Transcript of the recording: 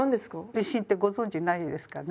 運針ってご存じないですかね？